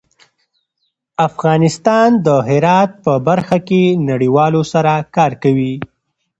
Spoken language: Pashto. افغانستان د هرات په برخه کې نړیوالو سره کار کوي.